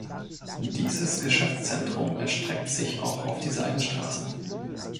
Dieses Geschäftszentrum erstreckt sich auch auf die Seitenstraßen.